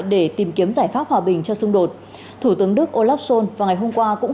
để tìm kiếm giải pháp hòa bình cho xung đột thủ tướng đức olaf scholz vào ngày hôm qua cũng